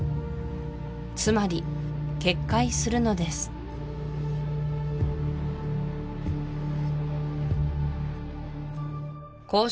つまり決壊するのですこう